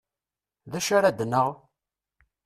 D acu ara ad d-naɣ?